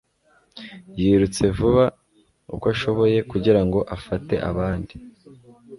Yirutse vuba uko ashoboye kugira ngo afate abandi.